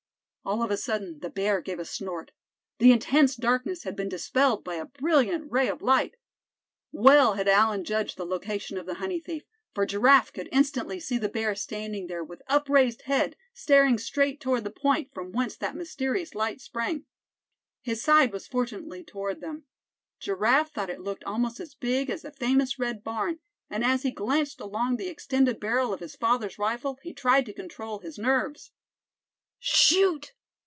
All of a sudden the bear gave a snort. The intense darkness had been dispelled by a brilliant ray of light. Well had Allan judged the location of the honey thief, for Giraffe could instantly see the bear standing there, with upraised head, staring straight toward the point from whence that mysterious light sprang. His side was fortunately toward them. Giraffe thought it looked almost as big as the famous red barn; and as he glanced along the extended barrel of his father's rifle he tried to control his nerves. "Shoot!"